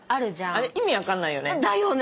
あれ意味分かんないよね。